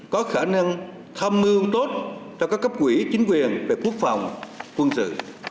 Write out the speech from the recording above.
có khả năng tham mưu tốt cho các cấp quỹ chính quyền về quốc phòng quân sự